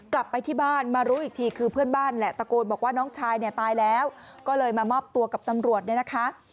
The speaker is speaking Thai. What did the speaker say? กลับไปที่บ้านมารู้อีกทีคือเพื่อนบ้านแหละตะโกนบอกว่าน้องชายเนี่ยตายแล้วก็เลยมามอบตัวกับตำรวจเนี่ยนะคะ